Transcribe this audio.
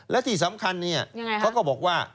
และที่สำคัญเขาก็บอกว่า